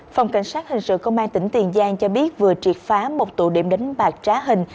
phòng cảnh sát hình sự công an tỉnh tiền giang cho biết vừa triệt phá một tụ điểm đánh bạc trá hình